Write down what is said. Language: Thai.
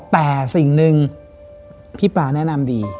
แต่สิ่งหนึ่งพี่ปลาแนะนำดี